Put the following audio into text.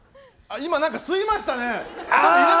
今、何か吸いましたね。